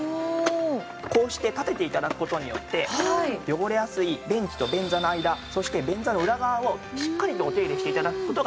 こうして立てて頂く事によって汚れやすい便器と便座の間そして便座の裏側をしっかりとお手入れして頂く事ができます。